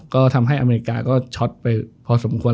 ก็ทำให้อเมริกาก็ช็อตไปพอสมควร